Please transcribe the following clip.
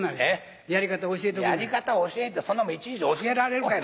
やり方教えるってそんなもんいちいち教えられるかいな。